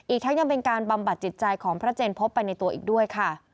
ทั้งยังเป็นการบำบัดจิตใจของพระเจนพบไปในตัวอีกด้วยค่ะ